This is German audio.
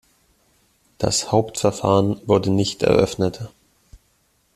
Das Hauptverfahren wurde nicht eröffnet.